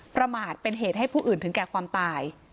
ประมาทเป็นเหตุให้ผู้อื่นถึงแก่ความตาย